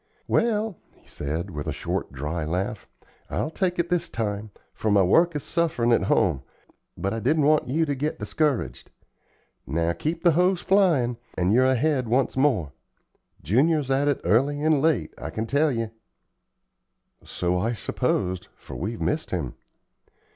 "Well," he said, with a short, dry laugh, "I'll take it this time, for my work is sufferin' at home, but I didn't want you to get discouraged. Now, keep the hoes flyin', and you're ahead once more. Junior's at it early and late, I can tell ye." "So I supposed, for we've missed him."